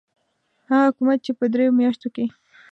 هغه حکومت چې په دریو میاشتو کې.